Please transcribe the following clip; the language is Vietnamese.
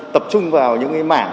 tập trung vào những mảng